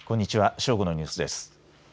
正午のニュースです。